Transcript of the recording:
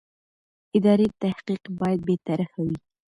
اداري تحقیق باید بېطرفه وي.